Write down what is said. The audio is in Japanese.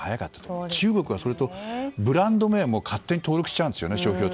あと中国は勝手にブランド名も登録しちゃうんですよね。